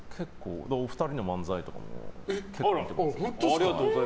お二人の漫才とかも結構、見てます。